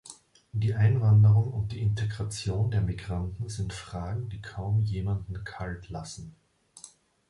Die Einwanderung und die Integration der Migranten sind Fragen, die kaum jemanden kalt lassen.